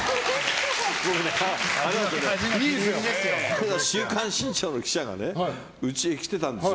この間「週刊新潮」の記者がうちへ来てたんですよ。